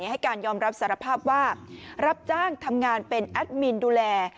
ให้การยอมรับสารภาพว่ารับจ้างทำงานเป็นแอดมินดูแล